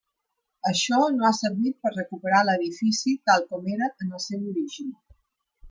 Això no ha servit per recuperar l'edifici tal com era en el seu origen.